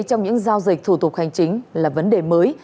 trong những giao dịch thủ tục hành chính là vấn đề mới